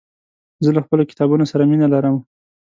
زه له خپلو کتابونو سره مينه لرم.